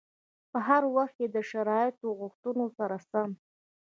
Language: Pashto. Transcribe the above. په هر وخت کې د شرایطو غوښتنو سره سم.